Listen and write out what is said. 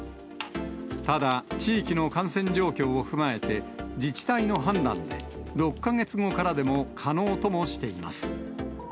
ただ、地域の感染状況を踏まえて自治体の判断で６か月後からでも可能ともしています。